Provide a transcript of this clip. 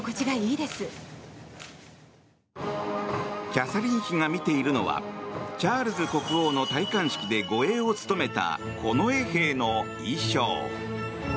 キャサリン妃が見ているのはチャールズ国王の戴冠式で護衛を務めた近衛兵の衣装。